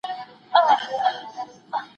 خپل ورېښتان په ښه شامپو مینځئ.